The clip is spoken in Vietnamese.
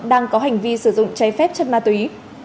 đang có hành vi sử dụng cháy phép chất ma túy